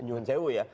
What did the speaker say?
nyuhun sewu ya